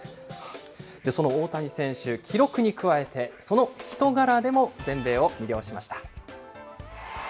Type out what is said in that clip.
その大谷選手、記録に加えて、その人柄でも全米を魅了しました。